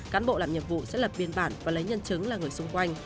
cán bộ làm nhiệm vụ sẽ lập biên bản và lấy nhân chứng là người xung quanh